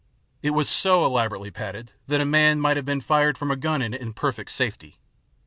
It was so elaborately padded that a man might have been fired from a gun in it with perfect safety.